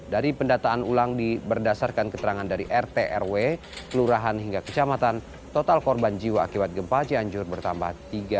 dari pendataan ulang berdasarkan keterangan dari rt rw kelurahan hingga kecamatan total korban jiwa akibat gempa cianjur bertambah tiga